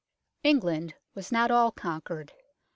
England was not all conquered.